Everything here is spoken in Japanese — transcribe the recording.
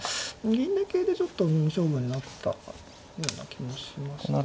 銀で桂でちょっとうん勝負になったような気もしましたね。